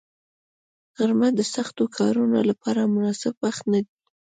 غرمه د سختو کارونو لپاره مناسب وخت نه دی